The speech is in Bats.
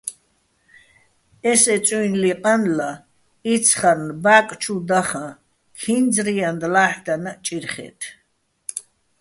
ესე წუ́ჲნლი ყანლა, იცხარნ ბა́კ ჩუ დახაჼ, ქინძ-რიანდ ლა́ჰ̦დანაჸ ჭირხე́თ.